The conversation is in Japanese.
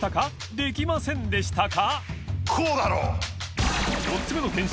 できませんでしたか？